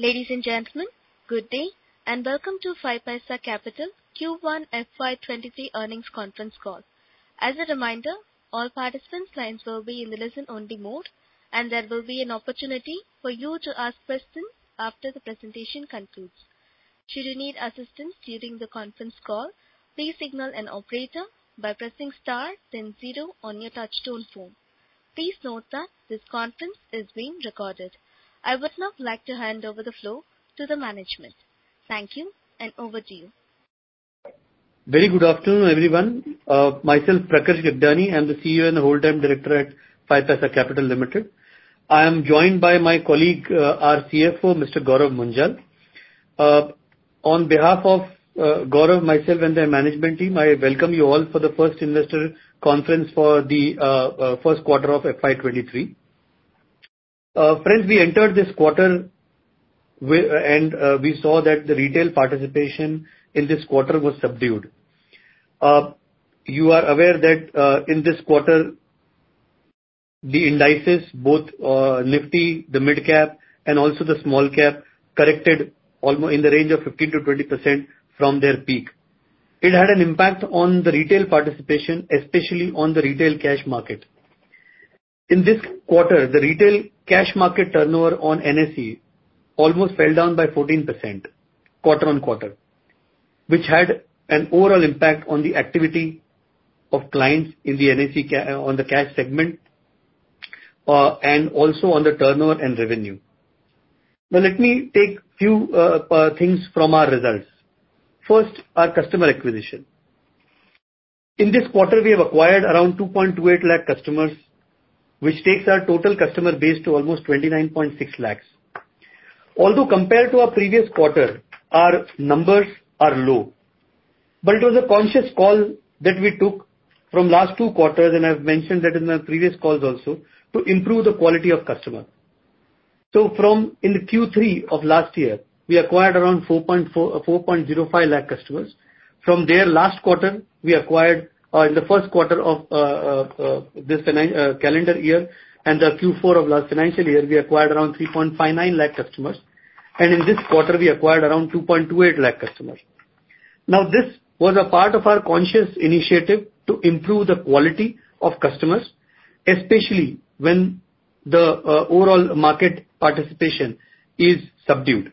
Ladies and gentlemen, good day, and welcome to 5paisa Capital Q1 FY 2023 Earnings Conference Call. As a reminder, all participant lines will be in the listen-only mode, and there will be an opportunity for you to ask questions after the presentation concludes. Should you need assistance during the conference call, please signal an operator by pressing star then zero on your touchtone phone. Please note that this conference is being recorded. I would now like to hand over the floor to the management. Thank you, and over to you. Very good afternoon, everyone. Myself, Prakarsh Gagdani, I'm the CEO and the whole-time director at 5paisa Capital Limited. I am joined by my colleague, our CFO, Mr. Gaurav Munjal. On behalf of Gaurav, myself, and the management team, I welcome you all for the first investor conference for the first quarter of FY 2023. Friends, we entered this quarter and we saw that the retail participation in this quarter was subdued. You are aware that in this quarter, the indices both Nifty, the mid-cap and also the small-cap corrected in the range of 15%-20% from their peak. It had an impact on the retail participation, especially on the retail cash market. In this quarter, the retail cash market turnover on NSE almost fell down by 14% QoQ, which had an overall impact on the activity of clients in the NSE Cash segment, and also on the turnover and revenue. Now let me take few things from our results. First, our customer acquisition. In this quarter, we have acquired around 2.28 lakh customers, which takes our total customer base to almost 29.6 lakhs. Although compared to our previous quarter, our numbers are low. It was a conscious call that we took from last two quarters, and I've mentioned that in my previous calls also, to improve the quality of customer. From in the Q3 of last year, we acquired around 4.05 lakh customers. From there, last quarter, we acquired. In the first quarter of this calendar year and the Q4 of last financial year, we acquired around 3.59 lakh customers. In this quarter, we acquired around 2.28 lakh customers. This was a part of our conscious initiative to improve the quality of customers, especially when the overall market participation is subdued.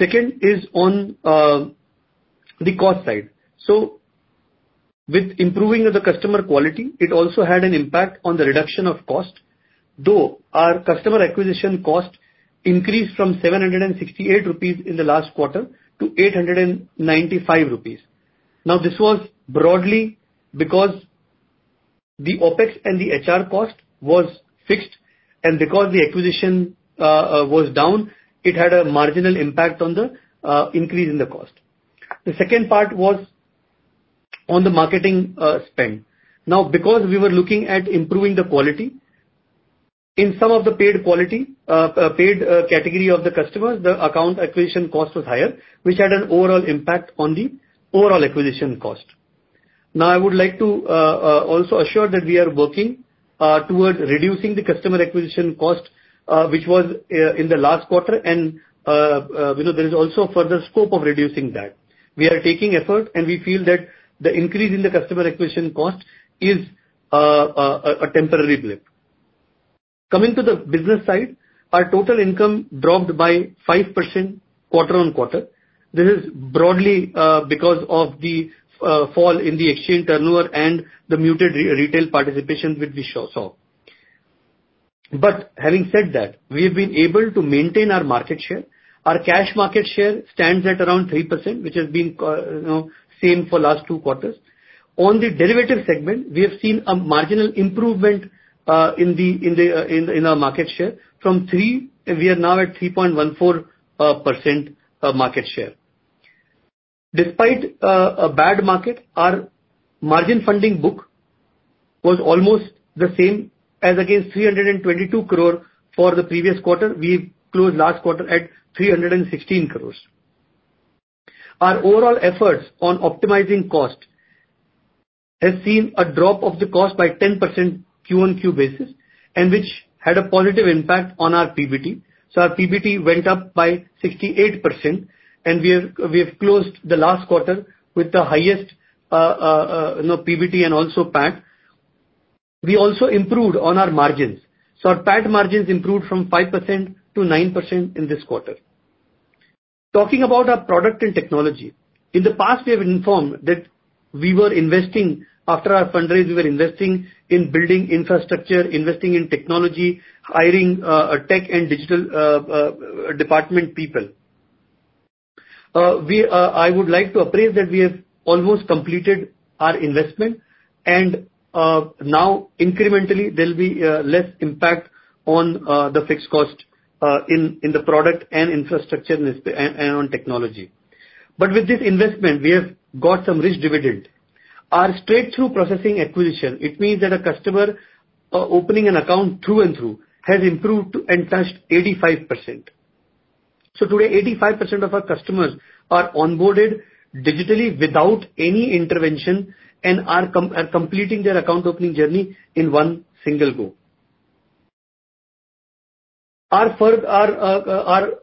Second is on the cost side. With improving of the customer quality, it also had an impact on the reduction of cost, though our customer acquisition cost increased from 768 rupees in the last quarter to 895 rupees. This was broadly because the OpEx and the HR cost was fixed, and because the acquisition was down, it had a marginal impact on the increase in the cost. The second part was on the marketing spend. Now, because we were looking at improving the quality in some of the paid quality paid category of the customers, the account acquisition cost was higher, which had an overall impact on the overall acquisition cost. Now, I would like to also assure that we are working towards reducing the customer acquisition cost, which was in the last quarter and you know there is also further scope of reducing that. We are taking effort, and we feel that the increase in the customer acquisition cost is a temporary blip. Coming to the business side, our total income dropped by 5% quarter-on-quarter. This is broadly because of the fall in the exchange turnover and the muted retail participation which we saw. Having said that, we have been able to maintain our market share. Our cash market share stands at around 3%, which has been same for last two quarters. On the Derivative segment, we have seen a marginal improvement in our market share. From 3, we are now at 3.14% market share. Despite a bad market, our margin funding book was almost the same as against 322 crore for the previous quarter. We've closed last quarter at 316 crores. Our overall efforts on optimizing cost has seen a drop of the cost by 10% Q-on-Q basis, and which had a positive impact on our PBT. Our PBT went up by 68%, and we have closed the last quarter with the highest, you know, PBT and also PAT. We also improved on our margins. Our PAT margins improved from 5%-9% in this quarter. Talking about our product and technology, in the past we have informed that after our fundraise, we were investing in building infrastructure, investing in technology, hiring tech and digital department people. I would like to apprise that we have almost completed our investment and now incrementally there'll be less impact on the fixed cost in the product and infrastructure and on technology. But with this investment, we have got some rich dividend. Our straight-through processing acquisition, it means that a customer opening an account through and through has improved to and touched 85%. So today, 85% of our customers are onboarded digitally without any intervention and are completing their account opening journey in one single go. Our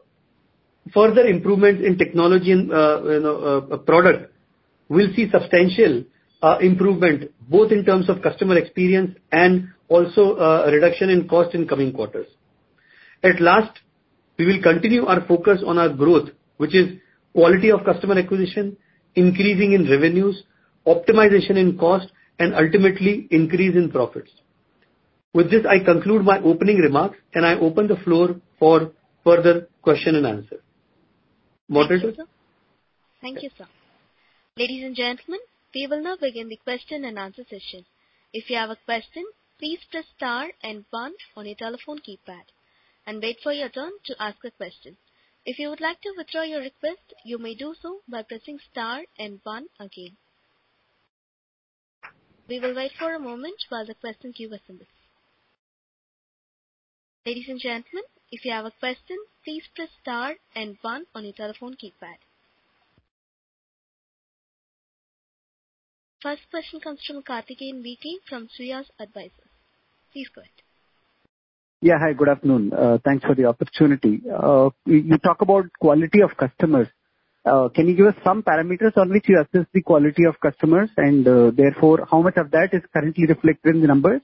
further improvements in technology and, you know, product will see substantial improvement both in terms of customer experience and also a reduction in cost in coming quarters. Lastly, we will continue our focus on our growth, which is quality of customer acquisition, increasing in revenues, optimization in cost, and ultimately increase in profits. With this, I conclude my opening remarks and I open the floor for further question and answer. Moderator? Thank you, sir. Ladies and gentlemen, we will now begin the question and answer session. If you have a question, please press star and one on your telephone keypad and wait for your turn to ask a question. If you would like to withdraw your request, you may do so by pressing star and one again. We will wait for a moment while the question queue assembles. Ladies and gentlemen, if you have a question, please press star and one on your telephone keypad. First question comes from Karthikeyan B K from Shrihas Advisors. Please go ahead. Yeah. Hi, good afternoon. Thanks for the opportunity. You talk about quality of customers. Can you give us some parameters on which you assess the quality of customers and, therefore, how much of that is currently reflected in the numbers?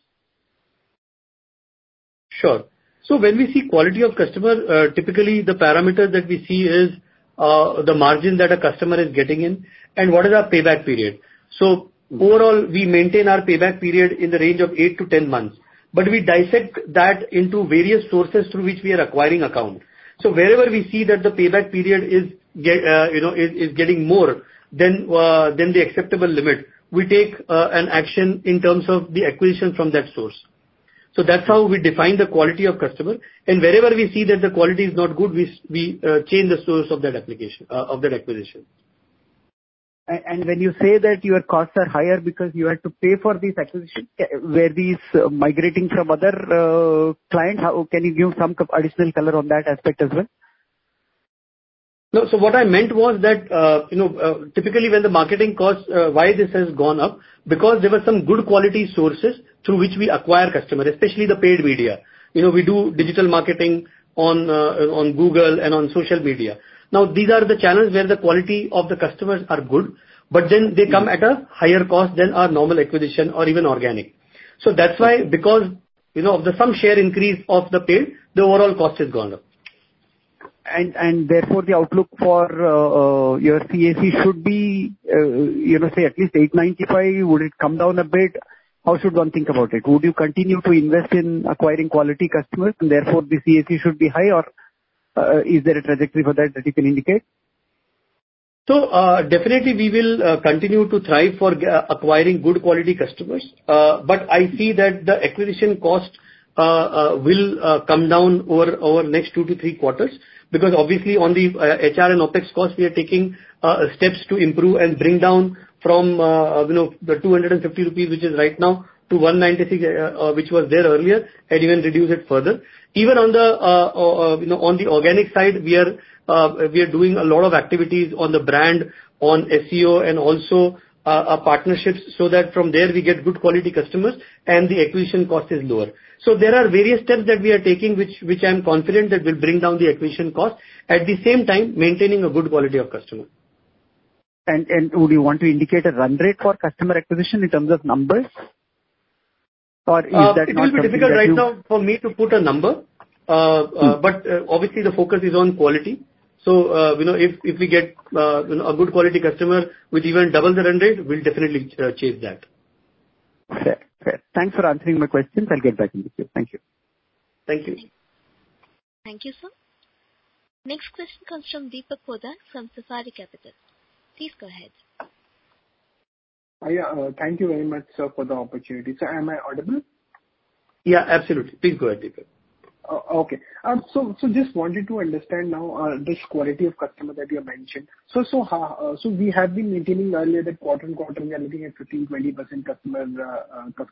Sure. When we see quality of customer, typically the parameter that we see is the margin that a customer is getting in and what is our payback period. Overall, we maintain our payback period in the range of 8-10 months, but we dissect that into various sources through which we are acquiring accounts. Wherever we see that the payback period is you know getting more than the acceptable limit, we take an action in terms of the acquisition from that source. That's how we define the quality of customer. Wherever we see that the quality is not good, we change the source of that application of that acquisition. When you say that your costs are higher because you had to pay for this acquisition, were these migrating from other client? How can you give some additional color on that aspect as well? No. What I meant was that, you know, typically when the marketing costs, why this has gone up because there were some good quality sources through which we acquire customer, especially the paid media. You know, we do digital marketing on Google and on social media. Now, these are the channels where the quality of the customers are good, but then they come at a higher cost than our normal acquisition or even organic. That's why because, you know, of the some share increase of the paid, the overall cost has gone up. Therefore, the outlook for your CAC should be, you know, say at least 895. Would it come down a bit? How should one think about it? Would you continue to invest in acquiring quality customers and therefore the CAC should be high? Or, is there a trajectory for that you can indicate? Definitely we will continue to thrive for acquiring good quality customers. But I see that the acquisition cost will come down over our next 2-3 quarters because obviously on the HR and OpEx costs, we are taking steps to improve and bring down from, you know, 250 rupees, which is right now, to 196, which was there earlier, and even reduce it further. Even on the organic side, we are doing a lot of activities on the brand, on SEO and also partnerships, so that from there we get good quality customers and the acquisition cost is lower. There are various steps that we are taking which I am confident that will bring down the acquisition cost, at the same time maintaining a good quality of customer. Would you want to indicate a run rate for customer acquisition in terms of numbers? Or is that not something that you? It will be difficult right now for me to put a number. Obviously the focus is on quality. You know, if we get you know, a good quality customer which even doubles the run rate, we'll definitely chase that. Fair. Thanks for answering my questions. I'll get back in with you. Thank you. Thank you. Thank you, sir. Next question comes from Deepak Poddar, from Sapphire Capital. Please go ahead. Yeah. Thank you very much, sir, for the opportunity. Sir, am I audible? Yeah, absolutely. Please go ahead, Deepak. Okay. Just wanted to understand now this quality of customer that you have mentioned. We have been maintaining earlier that QoQ, we are looking at 15%-20%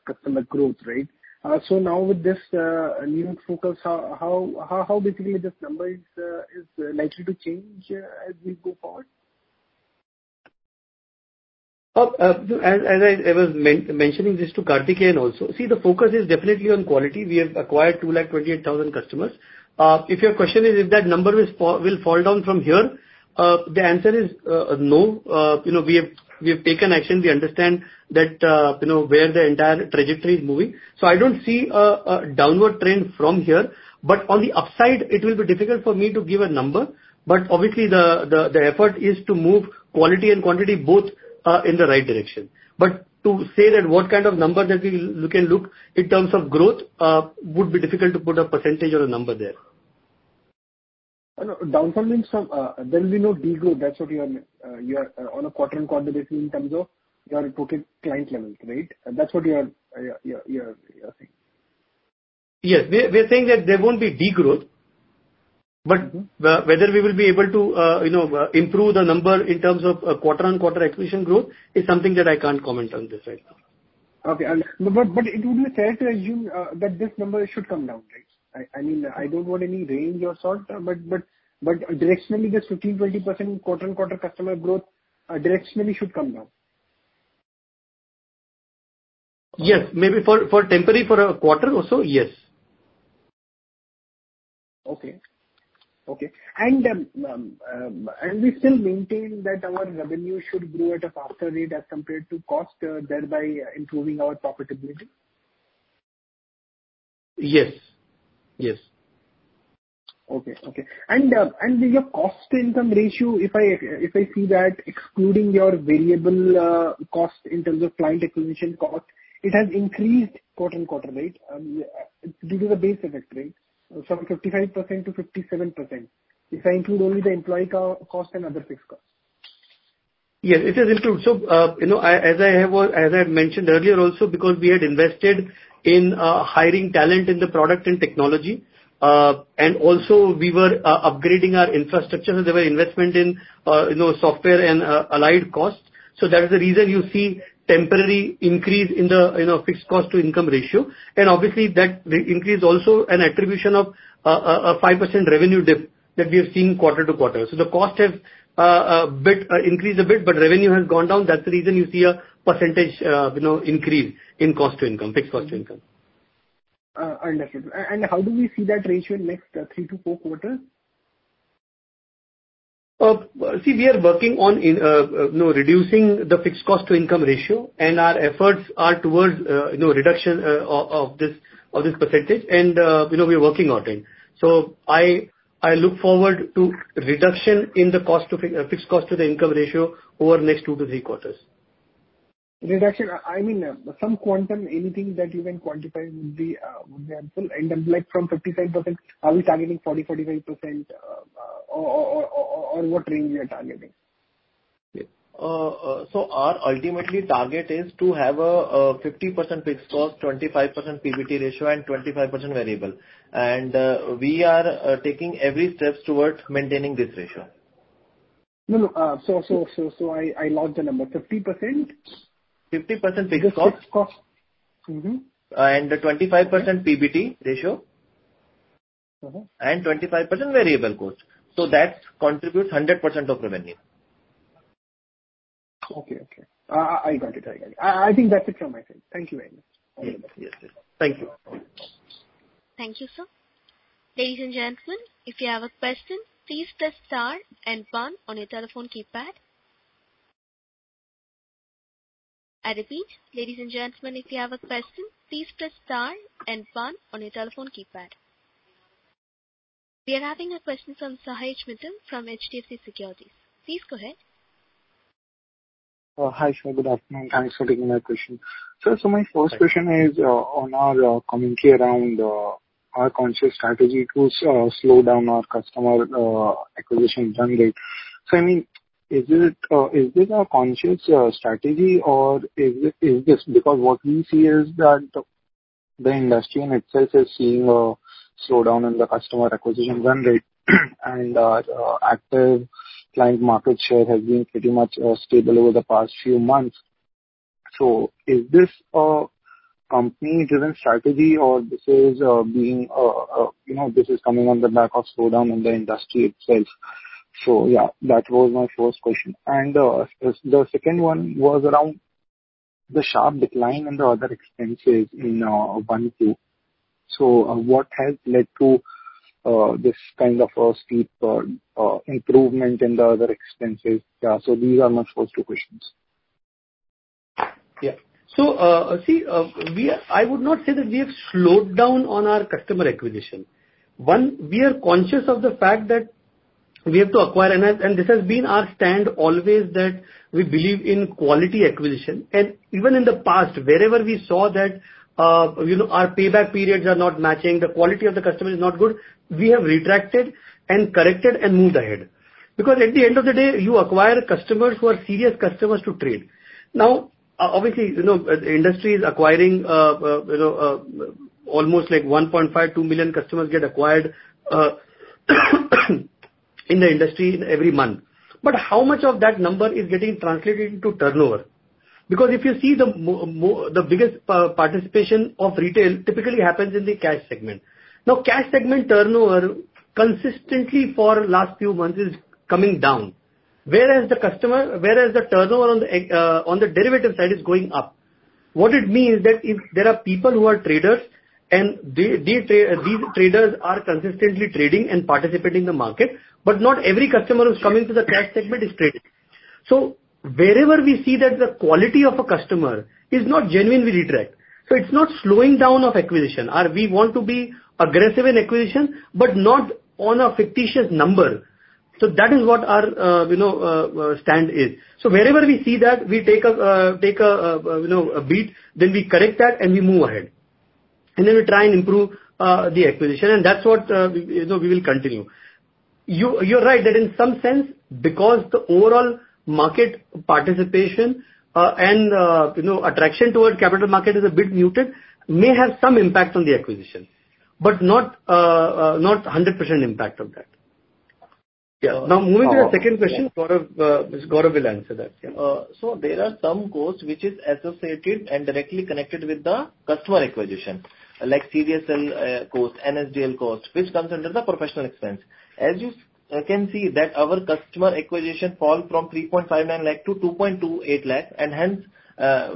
customer growth, right? Now with this new focus, how basically this number is likely to change as we go forward? As I was mentioning this to Kartikeyan also. See, the focus is definitely on quality. We have acquired 228,000 customers. If your question is if that number will fall down from here, the answer is no. You know, we have taken action. We understand that you know where the entire trajectory is moving. I don't see a downward trend from here. On the upside, it will be difficult for me to give a number. Obviously, the effort is to move quality and quantity both in the right direction. To say that what kind of number that we can look in terms of growth would be difficult to put a percentage or a number there. No. Down from means from, there will be no degrowth. That's what you are on a QoQ basis in terms of your reported client levels, right? That's what you're saying. Yes. We're saying that there won't be degrowth, but whether we will be able to, you know, improve the number in terms of quarter-on-quarter acquisition growth is something that I can't comment on this right now. Okay. No, but it would be fair to assume that this number should come down, right? I mean, I don't want any range or sort, but directionally, this 15%-20% quarter-on-quarter customer growth directionally should come down. Yes. Maybe for temporary for a quarter or so, yes. We still maintain that our revenue should grow at a faster rate as compared to cost, thereby improving our profitability? Yes. Yes. Your cost-income ratio, if I see that excluding your variable cost in terms of client acquisition cost, it has increased quarter-on-quarter, right? Due to the base effect, right? From 55%-57%. If I include only the employee cost and other fixed costs. Yes, it is included. You know, as I have mentioned earlier also, because we had invested in hiring talent in the product and technology, and also we were upgrading our infrastructure. There were investments in you know software and allied costs. That is the reason you see temporary increase in the you know fixed cost to income ratio. Obviously that, the increase also attributable to a 5% revenue dip that we have seen quarter-to-quarter. The cost has increased a bit, but revenue has gone down. That's the reason you see a percentage you know increase in cost to income, fixed cost to income. Understood. How do we see that ratio in next 3-4 quarters? We are working on, you know, reducing the fixed cost to income ratio, and our efforts are towards, you know, reduction of this percentage. You know, we're working on it. I look forward to reduction in the fixed cost to the income ratio over next two to three quarters. Reduction. I mean, some quantum, anything that you can quantify would be helpful. Like from 55%, are we targeting 40%-45%, or what range we are targeting? Our ultimate target is to have a 50% fixed cost, 25% PBT ratio, and 25% variable. We are taking every step towards maintaining this ratio. No, no. I logged the number. 50%. 50% fixed cost. The fixed cost. Mm-hmm. 25% PBT ratio. Mm-hmm. 25% variable cost. That contributes 100% of revenue. Okay. I got it. I think that's it from my side. Thank you very much. Yes. Yes. Thank you. Thank you, sir. Ladies and gentlemen, if you have a question, please press star and one on your telephone keypad. I repeat. Ladies and gentlemen, if you have a question, please press star and one on your telephone keypad. We are having a question from Sahaj Mittal from HDFC Securities. Please go ahead. Hi, sir. Good afternoon. Thanks for taking my question. Sir, my first question is on our commentary around our conscious strategy to slow down our customer acquisition run rate. I mean, is it a conscious strategy or is this because what we see is that the industry in itself is seeing a slowdown in the customer acquisition run rate. Active client market share has been pretty much stable over the past few months. Is this a company-driven strategy or this is being, you know, this is coming on the back of slowdown in the industry itself? Yeah, that was my first question. The second one was around the sharp decline in the other expenses in Q1. What has led to this kind of a steep improvement in the other expenses? Yeah, these are my first two questions. Yeah so, I would not say that we have slowed down on our customer acquisition. One, we are conscious of the fact that we have to acquire. This has been our stand always, that we believe in quality acquisition. Even in the past, wherever we saw that, you know, our payback periods are not matching, the quality of the customer is not good, we have retracted and corrected and moved ahead. Because at the end of the day, you acquire customers who are serious customers to trade. Now, obviously, you know, the industry is acquiring almost like 1.5-2 million customers get acquired in the industry every month. How much of that number is getting translated into turnover? Because if you see the month-over-month, the biggest participation of retail typically happens in the Cash segment. Now, Cash segment turnover consistently for last few months is coming down, whereas the turnover on the Derivative side is going up. What it means that if there are people who are traders and these traders are consistently trading and participating in the market, but not every customer who's coming to the Cash segment is trading. Wherever we see that the quality of a customer is not genuine, we retract. It's not slowing down of acquisition. We want to be aggressive in acquisition, but not on a fictitious number. That is what our stand is. Wherever we see that, we take a beat, then we correct that, and we move ahead. We try and improve the acquisition, and that's what you know, we will continue. You're right that in some sense, because the overall market participation and you know, attraction toward capital market is a bit muted, may have some impact on the acquisition, but not 100% impact of that. Yeah. Now moving to the second question, Gaurav, Mr. Gaurav will answer that. Yeah. There are some costs which is associated and directly connected with the customer acquisition, like CDSL cost, NSDL cost, which comes under the professional expense. As you can see that our customer acquisition fall from 3.59 lakh-2.28 lakh, and hence,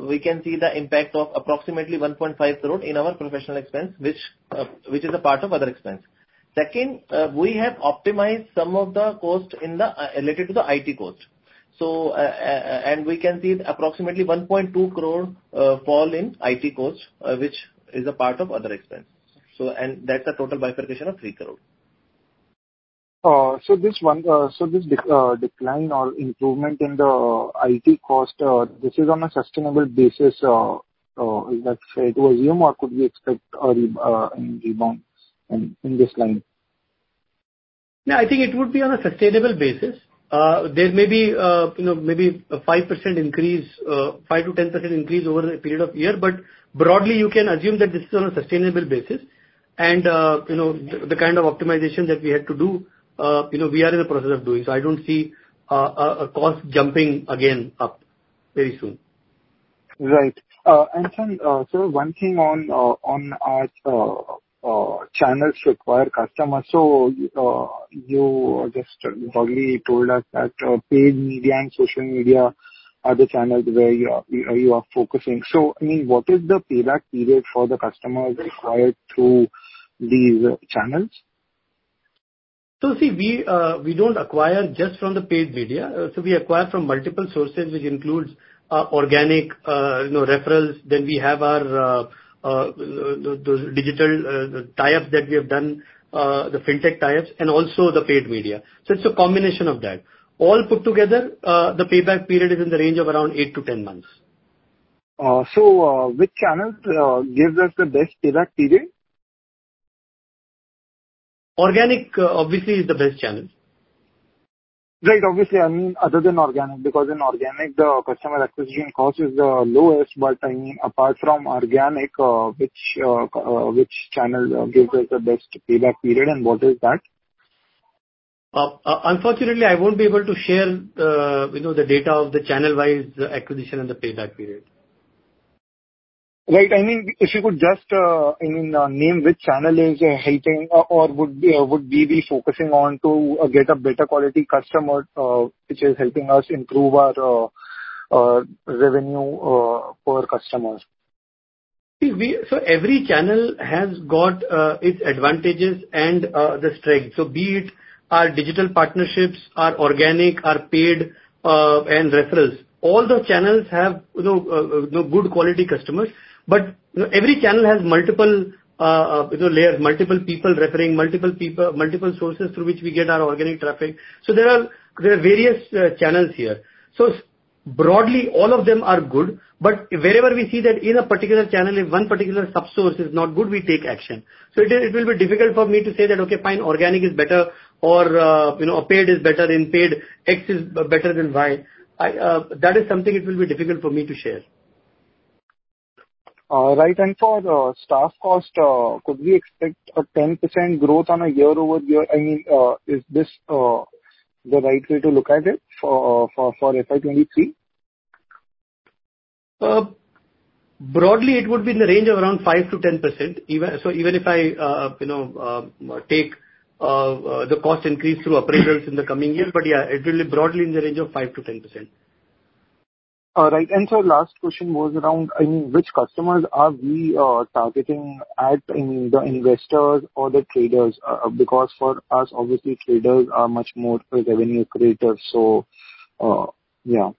we can see the impact of approximately 1.5 crore in our professional expense, which is a part of other expense. Second, we have optimized some of the costs in the related to the IT cost. We can see approximately 1.2 crore fall in IT costs, which is a part of other expense. That's the total bifurcation of 3 crore. This decline or improvement in the IT cost, is that fair to assume, or could we expect a rebound in this line? No, I think it would be on a sustainable basis. There may be, you know, maybe a 5% increase, 5%-10% increase over the period of year, but broadly, you can assume that this is on a sustainable basis. You know, the kind of optimization that we had to do, you know, we are in the process of doing. I don't see a cost jumping again up very soon. Right. One thing on our channels to acquire customers. You just broadly told us that paid media and social media are the channels where you are focusing. I mean, what is the payback period for the customers acquired through these channels? See, we don't acquire just from the paid media. We acquire from multiple sources, which includes organic, you know, referrals, then we have our those digital tie-ups that we have done, the FinTech tie-ups and also the paid media. It's a combination of that. All put together, the payback period is in the range of around 8-10 months. Which channels gives us the best payback period? Organic, obviously, is the best channel. Right. Obviously, I mean, other than organic, because in organic the customer acquisition cost is the lowest. I mean, apart from organic, which channel gives us the best payback period, and what is that? Unfortunately, I won't be able to share, you know, the data of the channel-wise acquisition and the payback period. Right. I mean, if you could just, I mean, name which channel is helping or would we be focusing on to get a better quality customer, which is helping us improve our revenue per customers? Every channel has got its advantages and the strength. Be it our digital partnerships, our organic, our paid, and referrals, all the channels have, you know, good quality customers. Every channel has multiple, you know, layers, multiple people referring, multiple sources through which we get our organic traffic. There are various channels here. Broadly, all of them are good, but wherever we see that in a particular channel, if one particular subsource is not good, we take action. It will be difficult for me to say that, okay, fine, organic is better or paid is better, in paid X is better than Y. That is something it will be difficult for me to share. Right. For the staff cost, could we expect a 10% growth on a YoY? I mean, is this the right way to look at it for FY 2023? Broadly, it would be in the range of around 5%-10%. Even so, even if I, you know, take the cost increase through appraisals in the coming year, but yeah, it will be broadly in the range of 5%-10%. All right. Last question was around, I mean, which customers are we targeting as in the investors or the traders? Because for us, obviously, traders are much more a revenue creator, so, yeah.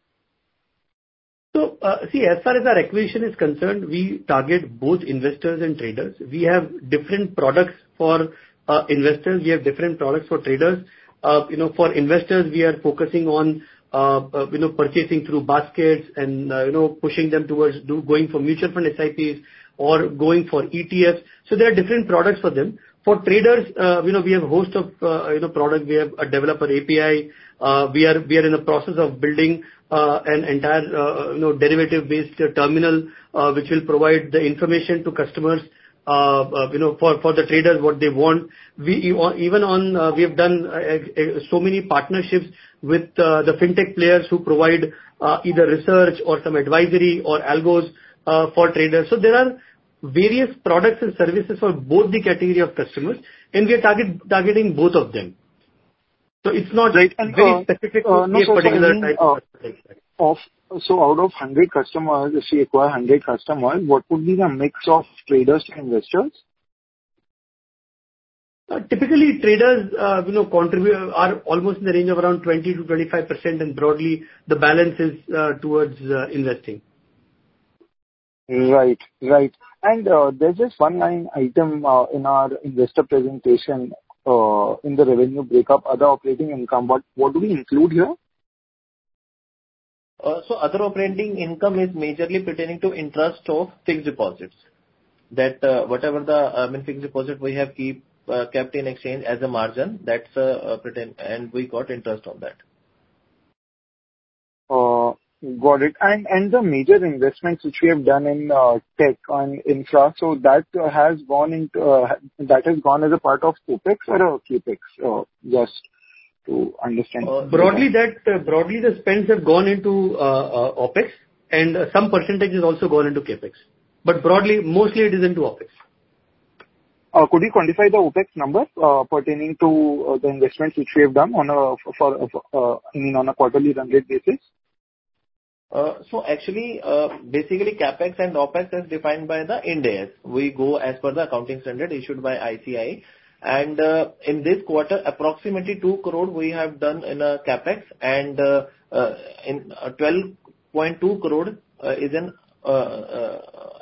As far as our acquisition is concerned, we target both investors and traders. We have different products for investors. We have different products for traders. You know, for investors, we are focusing on you know, purchasing through baskets and, you know, pushing them towards going for mutual fund SIPs or going for ETFs. There are different products for them. For traders, you know, we have a host of you know, products. We have developed an API. We are in the process of building an entire you know, Derivative-based terminal, which will provide the information to customers, you know, for the traders, what they want. Even on, we have done so many partnerships with the FinTech players who provide either research or some advisory or algos for traders. There are various products and services for both the category of customers, and we are targeting both of them. It's not. Right. Very specific to a particular type of customer base. Out of 100 customers, say you acquire 100 customers, what would be the mix of traders to investors? Typically, traders, you know, are almost in the range of around 20%-25%, and broadly the balance is towards investing. Right. There's this one line item in our investor presentation in the revenue breakup, other operating income. What do we include here? Other operating income is majorly pertaining to interest on fixed deposits. That, whatever in fixed deposit we have kept in exchange as a margin, that's pertaining, and we got interest on that. Got it. The major investments which we have done in tech and infra, so that has gone as a part of CapEx or OpEx? Just to understand. Broadly, the spends have gone into OpEx, and some percentage has also gone into CapEx. Broadly, mostly it is into OpEx. Could you quantify the OpEx numbers pertaining to the investments which we have done on a forward quarterly run rate basis? Actually, basically CapEx and OpEx is defined by the Ind AS. We go as per the accounting standard issued by ICAI. In this quarter, approximately 2 crore we have done in CapEx and in 12.2 crore is in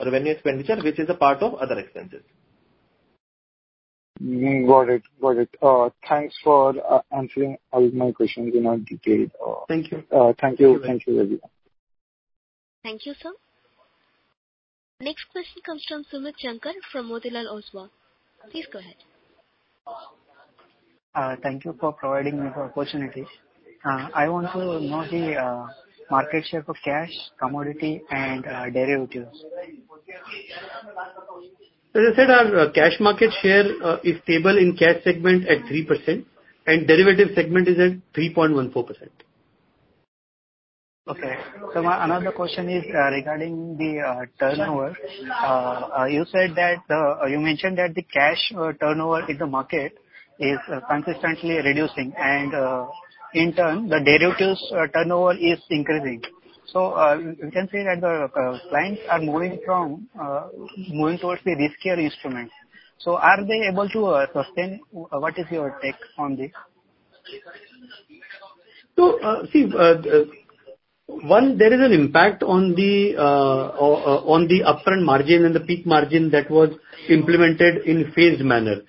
revenue expenditure, which is a part of other expenses. Got it. Thanks for answering all of my questions in detail. Thank you. Thank you. Thank you very much. Thank you, sir. Next question comes from Sumit Shankar from Motilal Oswal. Please go ahead. Thank you for providing me the opportunity. I want to know the market share for cash, commodity and derivatives. As I said, our cash market share is stable in Cash segment at 3% and Derivative segment is at 3.14%. Okay. My another question is, regarding the turnover. You said that you mentioned that the cash turnover in the market is consistently reducing and, in turn, the derivatives turnover is increasing. You can say that the clients are moving towards the riskier instruments. Are they able to sustain? What is your take on this? There is an impact on the upfront margin and the peak margin that was implemented in phased manner.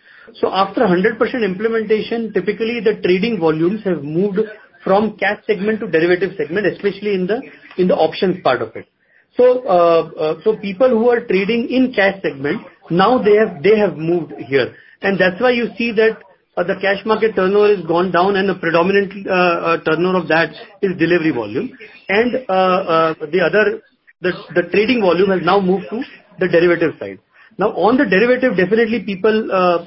After 100% implementation, typically the trading volumes have moved from Cash segment to Derivative segment, especially in the options part of it. People who are trading in Cash segment, now they have moved here. That's why you see that the cash market turnover has gone down and the predominant turnover of that is delivery volume. The trading volume has now moved to the Derivative side. Now, on the Derivative, definitely people are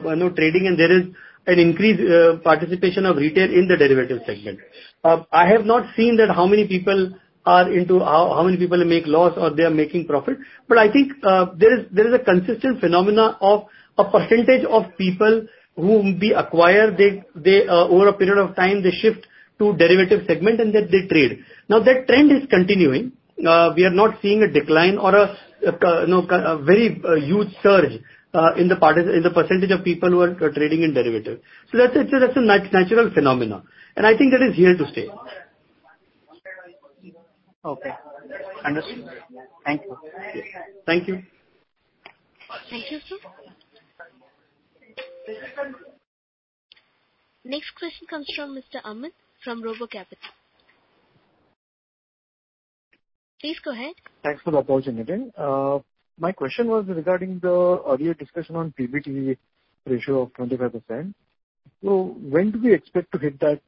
you know trading and there is an increased participation of retail in the Derivative segment. I have not seen how many people are into. How many people make loss or they are making profit. I think there is a consistent phenomenon of a percentage of people who we acquire, over a period of time, they shift to Derivative segment and then they trade. Now, that trend is continuing. We are not seeing a decline or a very huge surge in the percentage of people who are trading in Derivative. That's a natural phenomenon, and I think that is here to stay. Okay. Understood. Thank you. Thank you. Thank you, sir. Next question comes from Mr. Amit from RoboCapital. Please go ahead. Thanks for the opportunity. My question was regarding the earlier discussion on PBT ratio of 25%. When do we expect to hit that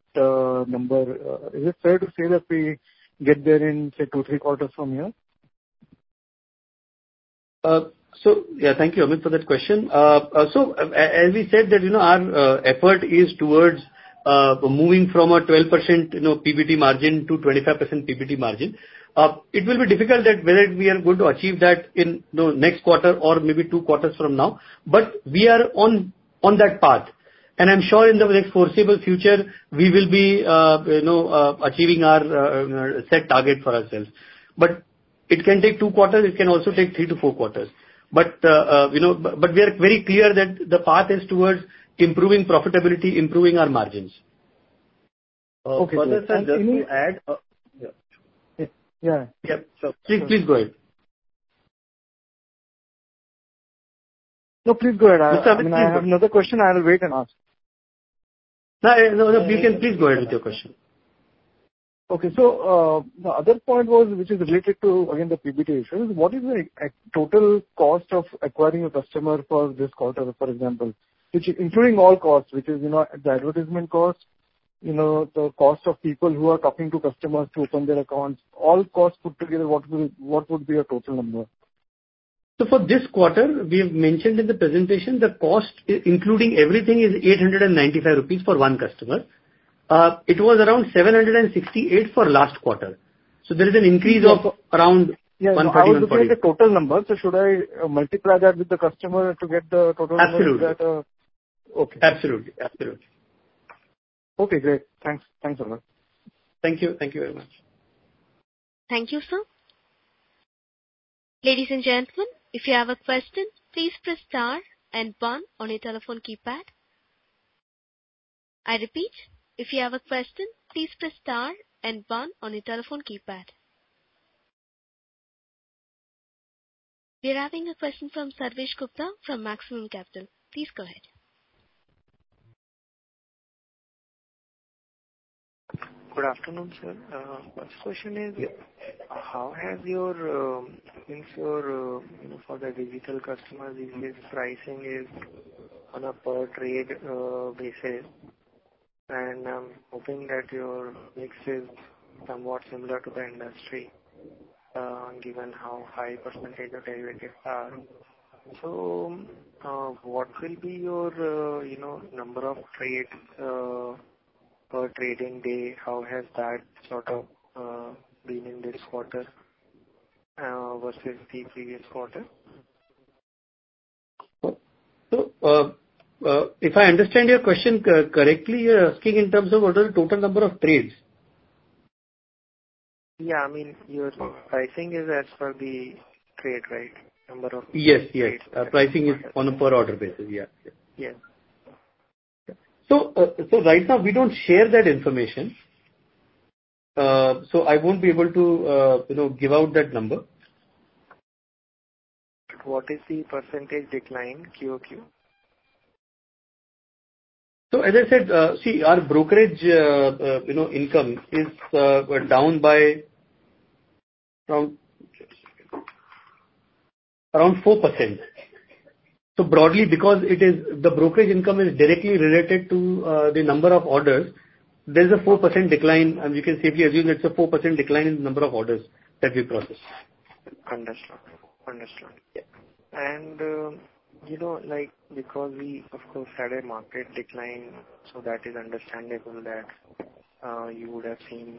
number? Is it fair to say that we get there in, say, two, three quarters from here? Yeah, thank you, Amit, for that question. As we said that, you know, our effort is towards moving from a 12% PBT margin to 25% PBT margin. It will be difficult that whether we are going to achieve that in, you know, next quarter or maybe two quarters from now. We are on that path. I'm sure in the next foreseeable future, we will be, you know, achieving our, you know, set target for ourselves. It can take two quarters, it can also take three to four quarters. We are very clear that the path is towards improving profitability, improving our margins. Okay. Further, can I just add. Yeah. Yeah. Yeah. Please, please go ahead. No, please go ahead. Mr. Amit, please go ahead. I mean, I have another question. I'll wait and ask. No, no, you can please go ahead with your question. Okay. The other point was, which is related to, again, the PBT ratio. What is the total cost of acquiring a customer for this quarter, for example? Which including all costs, which is, you know, the advertisement costs, you know, the cost of people who are talking to customers to open their accounts. All costs put together, what would be your total number? For this quarter, we have mentioned in the presentation the cost including everything is 895 rupees for one customer. It was around 768 for last quarter. There is an increase of around INR 148. Yeah. How to get the total number? Should I multiply that with the customer to get the total number? Is that Absolutely. Okay. Absolutely. Absolutely. Okay, great. Thanks. Thanks a lot. Thank you. Thank you very much. Thank you, sir. Ladies and gentlemen, if you have a question, please press star and one on your telephone keypad. I repeat, if you have a question, please press star and one on your telephone keypad. We are having a question from Sarvesh Gupta from Maximal Capital. Please go ahead. Good afternoon, sir. First question is. How has your, since your, you know, for the digital customers, this pricing is on a per trade basis. I'm hoping that your mix is somewhat similar to the industry, given the high percentage of derivatives are. What will be your, you know, number of trades, per trading day? How has that sort of, been in this quarter, versus the previous quarter? If I understand your question correctly, you're asking in terms of what is the total number of trades? Yeah. I mean, your pricing is as per the trade, right? Number of- Yes. Yes. -trades. Pricing is on a per order basis. Yeah. Yeah. Yes. Right now we don't share that information. I won't be able to, you know, give out that number. What is the percentage decline QoQ? As I said, see, our brokerage, you know, income is down by around 4%. Broadly because it is the brokerage income is directly related to the number of orders. There's a 4% decline, and we can safely assume it's a 4% decline in the number of orders that we process. Understood. Yeah. You know, like, because we of course had a market decline, so that is understandable that you would have seen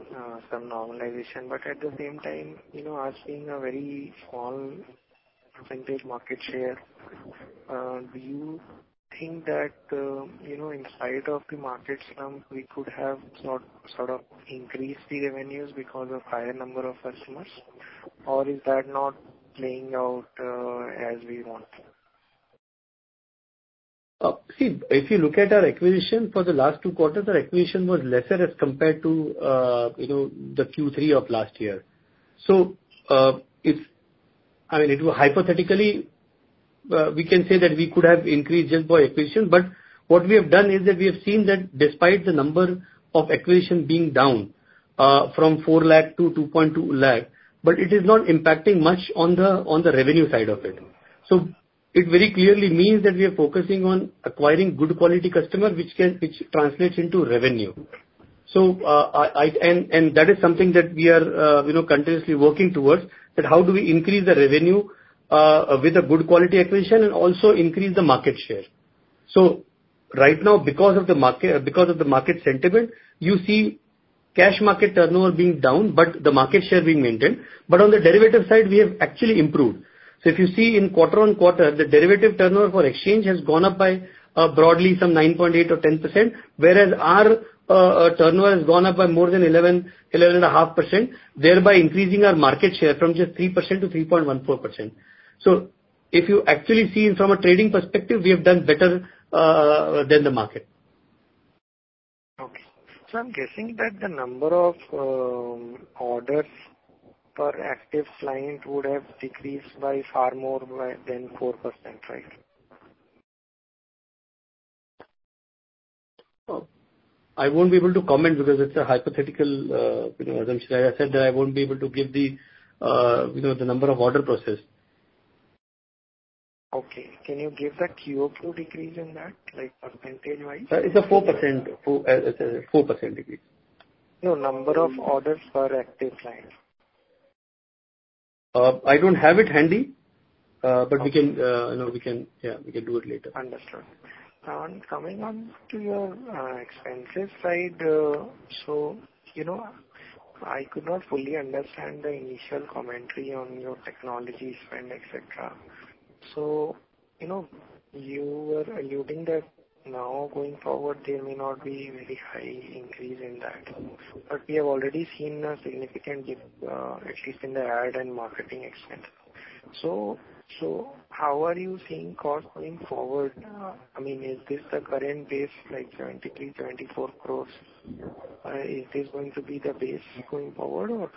some normalization. But at the same time, you know, as being a very small percentage market share, do you think that you know, in spite of the market slump, we could have sort of increased the revenues because of higher number of customers? Or is that not playing out as we want it? See, if you look at our acquisition for the last two quarters, our acquisition was lesser as compared to, you know, the Q3 of last year. I mean, it will hypothetically, we can say that we could have increased just by acquisition, but what we have done is that we have seen that despite the number of acquisition being down, from 4 lakh-2.2 lakh, but it is not impacting much on the revenue side of it. It very clearly means that we are focusing on acquiring good quality customer, which translates into revenue. And that is something that we are, you know, continuously working towards. How do we increase the revenue with a good quality acquisition and also increase the market share? Right now because of the market, because of the market sentiment, you see cash market turnover being down, but the market share being maintained. On the Derivative side, we have actually improved. If you see in quarter-on-quarter, the Derivative turnover for exchange has gone up by broadly some 9.8%-10%, whereas our turnover has gone up by more than 11.5%, thereby increasing our market share from just 3%-3.14%. If you actually see from a trading perspective, we have done better than the market. I'm guessing that the number of orders per active client would have decreased by far more than 4%, right? I won't be able to comment because it's a hypothetical, you know, assumption. As I said, that I won't be able to give the, you know, the number of orders processed. Okay. Can you give the QoQ decrease in that, like percentage-wise? It's a 4% decrease, as I said. No, number of orders per active client. I don't have it handy. Okay. We can, you know, do it later. Understood. Now, coming on to your expenses side. You know, I could not fully understand the initial commentary on your technology spend, etc. You know, you were alluding that now going forward there may not be very high increase in that. We have already seen a significant dip, at least in the ad and marketing expense. How are you seeing costs going forward? I mean, is this the current base, like 23 crore-24 crore? Is this going to be the base going forward, or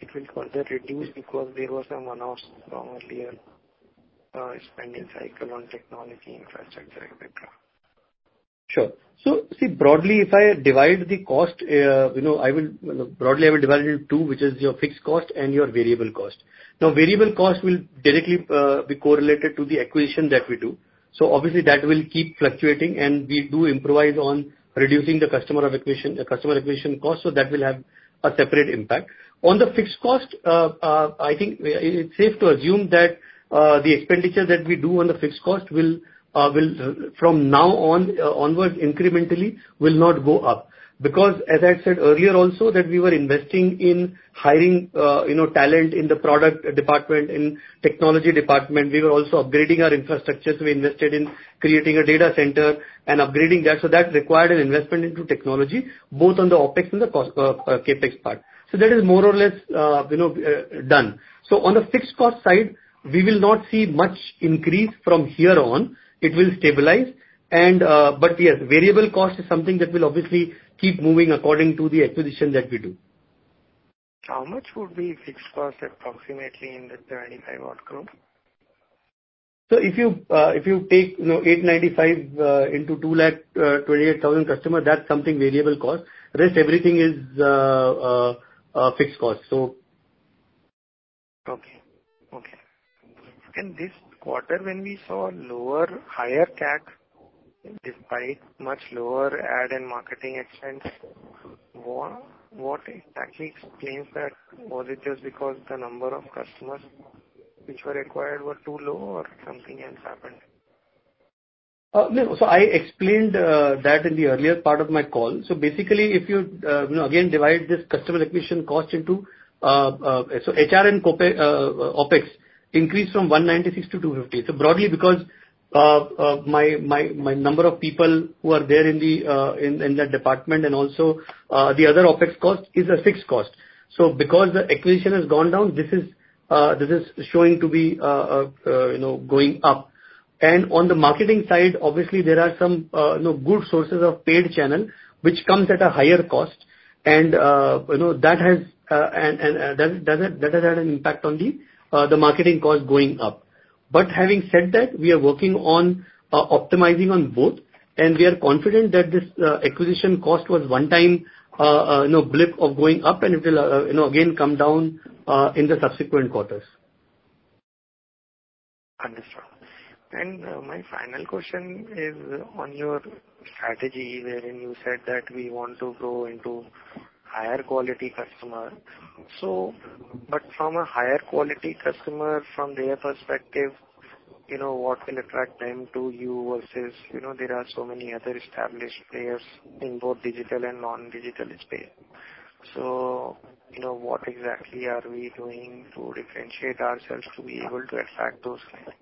it will further reduce because there was some announcement from earlier spending cycle on technology infrastructure, etc.? Sure. See, broadly, if I divide the cost, you know, I will divide it in two, which is your fixed cost and your variable cost. Now, variable cost will directly be correlated to the acquisition that we do. Obviously that will keep fluctuating. We do improve on reducing the customer acquisition cost, so that will have a separate impact. On the fixed cost, I think it's safe to assume that the expenditure that we do on the fixed cost will from now on onwards incrementally not go up. Because as I said earlier also that we were investing in hiring, you know, talent in the product department, in technology department. We were also upgrading our infrastructure, so we invested in creating a data center and upgrading that. That required an investment into technology both on the OpEx and the CapEx part. That is more or less, you know, done. On the fixed cost side, we will not see much increase from here on. It will stabilize and, but yes, variable cost is something that will obviously keep moving according to the acquisition that we do. How much would be fixed cost approximately in the 35-odd crore? If you take, you know, 895 into 228,000 customers, that's something variable cost. Rest everything is a fixed cost. Okay, okay and this quarter when we saw higher CAC despite much lower ad and marketing expense, what exactly explains that? Was it just because the number of customers which were acquired were too low or something else happened? No. I explained that in the earlier part of my call. Basically, if you know, again, divide this customer acquisition cost into HR and OpEx increased from 196-250. Broadly because my number of people who are there in that department and also the other OpEx cost is a fixed cost. Because the acquisition has gone down, this is showing to be, you know, going up. On the marketing side, obviously there are some, you know, good sources of paid channel which comes at a higher cost and, you know, that has had an impact on the marketing cost going up. Having said that, we are working on optimizing on both, and we are confident that this acquisition cost was one time, you know, blip of going up and it will, you know, again come down in the subsequent quarters. Understood. My final question is on your strategy wherein you said that we want to grow into higher quality customer. From a higher quality customer, from their perspective, you know, what will attract them to you versus, you know, there are so many other established players in both digital and non-digital space. You know, what exactly are we doing to differentiate ourselves to be able to attract those clients?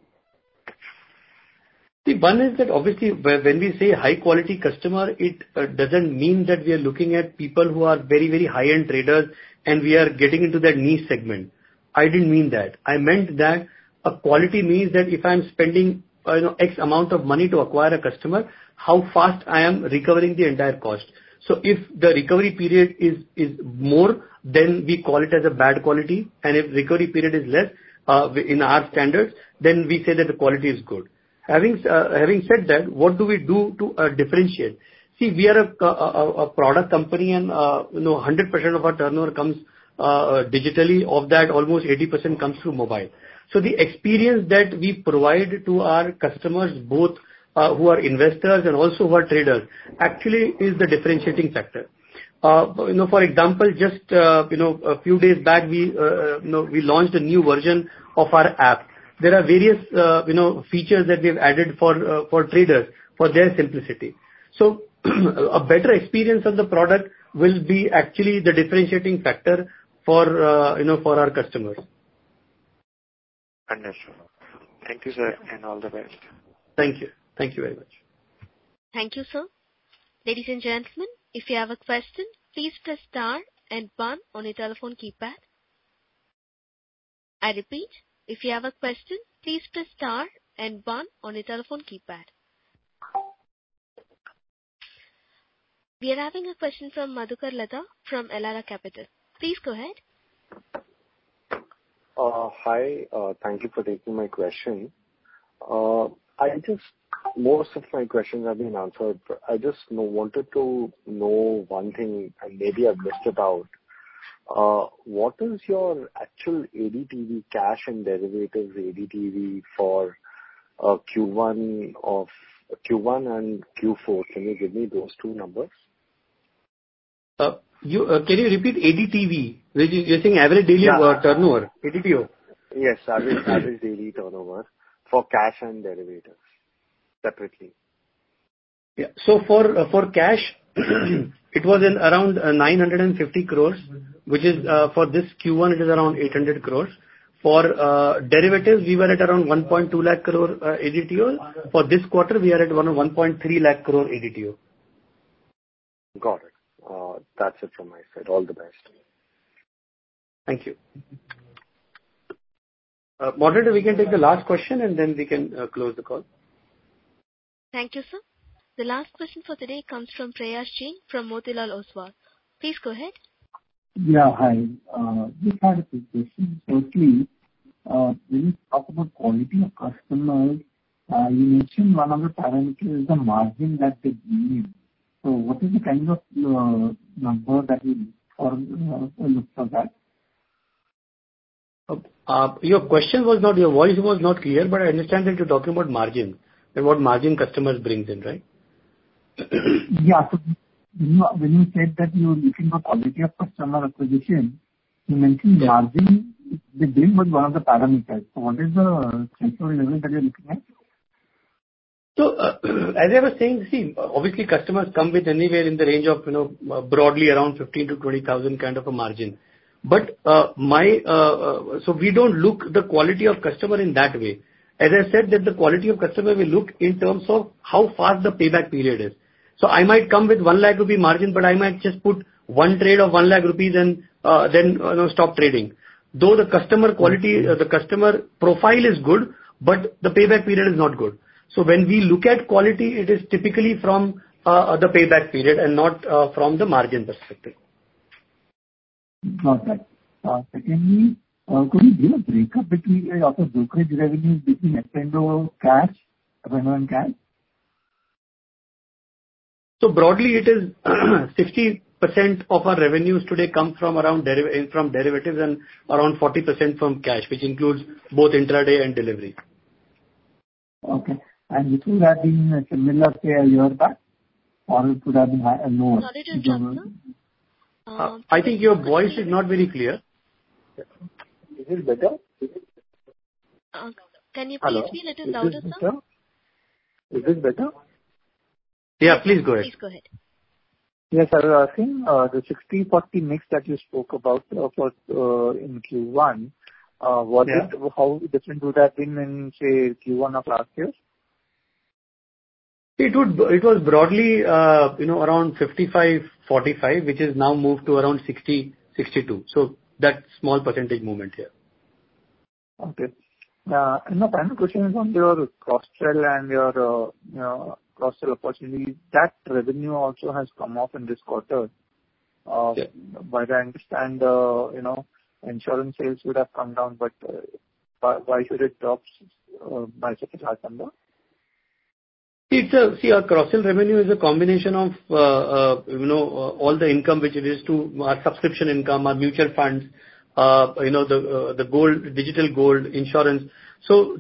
See, one is that obviously when we say high quality customer, it doesn't mean that we are looking at people who are very, very high-end traders and we are getting into that niche segment. I didn't mean that. I meant that a quality means that if I'm spending, you know, X amount of money to acquire a customer, how fast I am recovering the entire cost. If the recovery period is more, then we call it as a bad quality. If recovery period is less, we in our standards, then we say that the quality is good. Having said that, what do we do to differentiate? See, we are a product company and, you know, 100% of our turnover comes digitally. Of that, almost 80% comes through mobile. The experience that we provide to our customers both, who are investors and also who are traders actually is the differentiating factor. You know, for example, just, you know, a few days back, we, you know, we launched a new version of our app. There are various, you know, features that we've added for traders for their simplicity. A better experience of the product will be actually the differentiating factor for, you know, for our customers. Understood. Thank you, sir, and all the best. Thank you. Thank you very much. Thank you, sir. Ladies and gentlemen, if you have a question, please press star and one on your telephone keypad. I repeat. If you have a question, please press star and one on your telephone keypad. We are having a question from Madhukar Ladha from Elara Capital. Please go ahead. Hi. Thank you for taking my question. Most of my questions have been answered. I just wanted to know one thing and maybe I missed about what is your actual ADTV cash and derivatives ADTV for Q1 and Q4. Can you give me those two numbers? You, can you repeat ADTV? You're saying average daily- Yeah. Turnover? ADTO? Yes. Average daily turnover for cash and derivatives separately. Yeah. For cash it was around 950 crores, which is, for this Q1, it is around 800 crores. For derivatives we were at around 1.2 lakh crore ADTO. For this quarter we are at 1.3 lakh crore ADTO. Got it. That's it from my side. All the best. Thank you. Moderator, we can take the last question and then we can close the call. Thank you, sir. The last question for today comes from Prayas Singh from Motilal Oswal. Please go ahead. Yeah. Hi. Just had a quick question. Firstly, when you talk about quality of customers, you mentioned one of the parameters is the margin that they bring in. What is the kind of number that you look for to look for that? Your voice was not clear, but I understand that you're talking about margin customers brings in, right? Yeah. When you said that you're looking for quality of customer acquisition, you mentioned margin they bring was one of the parameters. What is the threshold limit that you're looking at? As I was saying, see, obviously customers come with anywhere in the range of, you know, broadly around 15,000-20,000 kind of a margin. We don't look the quality of customer in that way. As I said that the quality of customer will look in terms of how fast the payback period is. I might come with 1 lakh rupee margin, but I might just put one trade of 1 lakh rupees and, then, you know, stop trading. Though the customer quality, the customer profile is good, but the payback period is not good. When we look at quality, it is typically from the payback period and not from the margin perspective. Perfect. Secondly, could you give a break-up between brokerage revenues, FNO and cash? Broadly, it is 60% of our revenues today come from around derivatives and around 40% from cash, which includes both intraday and delivery. Okay. This would have been a similar scale year on year or it could have been more. Sorry to interrupt, sir. I think your voice is not very clear. Is it better? Can you please speak little louder, sir? Is this better? Yeah, please go ahead. Please go ahead. Yes. I was asking the 60/40 mix that you spoke about for in Q1. Yeah. How different would that been in, say, Q1 of last year? It was broadly, you know, around 55%/45%, which has now moved to around 60%/62%. That small percentage movement here. Okay. My final question is on your cross-sell and your cross-sell opportunity. That revenue also has come off in this quarter. Yeah. I understand, you know, insurance sales would have come down, but why should it drop by such a large number? See, our cross-sell revenue is a combination of, you know, all the income which it is to our subscription income, our mutual funds, you know, the gold, digital gold, insurance.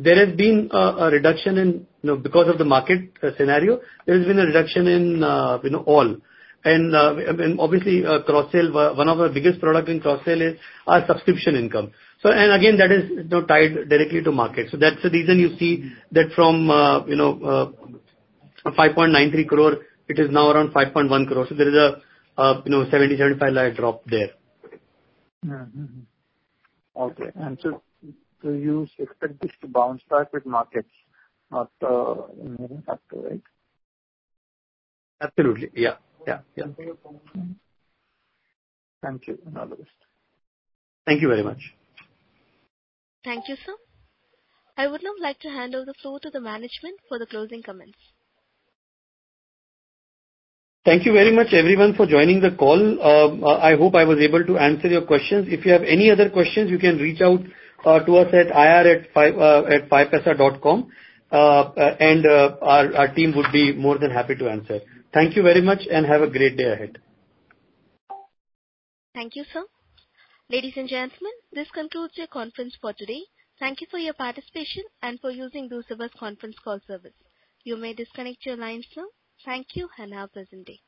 There has been a reduction in, you know, because of the market scenario. There has been a reduction in, you know, all. Obviously, cross-sell, one of our biggest product in cross-sell is our subscription income. And again, that is, you know, tied directly to market. That's the reason you see that from, you know, 5.93 crore, it is now around 5.1 crore. There is a, you know, 75 lakh drop there. You expect this to bounce back with markets after a minute, right? Absolutely. Yeah, yeah. Thank you. All the best. Thank you very much. Thank you, sir. I would now like to hand the floor to the management for the closing comments. Thank you very much everyone for joining the call. I hope I was able to answer your questions. If you have any other questions, you can reach out to us at ir@5paisa.com, and our team would be more than happy to answer. Thank you very much and have a great day ahead. Thank you, sir. Ladies and gentlemen, this concludes your conference for today. Thank you for your participation and for using Chorus Call's conference call service. You may disconnect your lines now. Thank you, and have a pleasant day.